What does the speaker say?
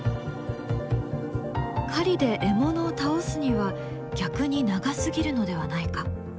狩りで獲物を倒すには逆に長すぎるのではないか？